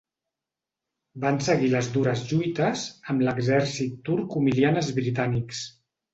Van seguir les dures lluites, amb l'exèrcit turc humiliant als britànics.